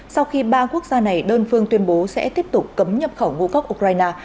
sau khi ba quốc gia này đơn phương tuyên bố sẽ tiếp tục cấm nhập khẩu ngũ cốc ukraine